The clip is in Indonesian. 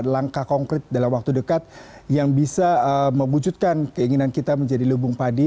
langkah konkret dalam waktu dekat yang bisa mewujudkan keinginan kita menjadi lubung padi